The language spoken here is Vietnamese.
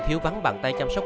thiếu vắng bàn tay chăm sóc